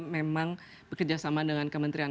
memang bekerjasama dengan kementerian